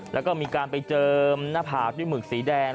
แล้วก็มีการไปเจิมหน้าผากด้วยหมึกสีแดง